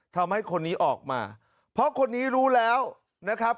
ทำให้คนนี้ออกมาเพราะคนนี้รู้แล้วนะครับ